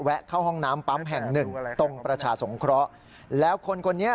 เข้าห้องน้ำปั๊มแห่งหนึ่งตรงประชาสงเคราะห์แล้วคนคนนี้